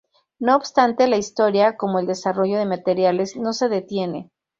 No obstante la historia, como el desarrollo de materiales, no se detiene.